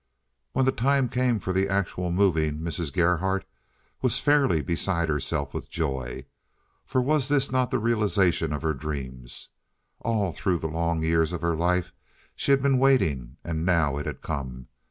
When the time came for the actual moving Mrs. Gerhardt was fairly beside herself with joy, for was not this the realization of her dreams? All through the long years of her life she had been waiting, and now it had come.